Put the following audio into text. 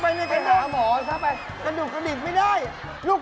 รากเขียวไอจนเสียวหน้าอก